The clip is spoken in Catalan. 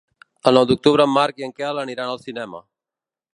El nou d'octubre en Marc i en Quel aniran al cinema.